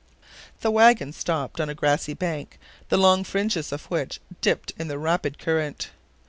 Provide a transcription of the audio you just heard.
The wagon stopped on a grassy bank, the long fringes of which dipped in the rapid current.